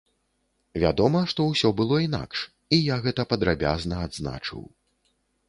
Вядома, што ўсё было інакш, і я гэта падрабязна адзначыў.